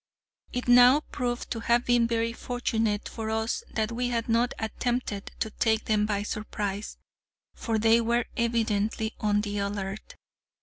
It now proved to have been very fortunate for us that we had not attempted to take them by surprise, for they were evidently on the alert.